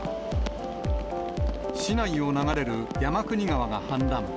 市内を流れる山国川が氾濫。